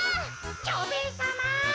蝶兵衛さま！